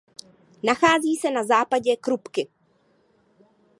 Nachází se na západě Krupky.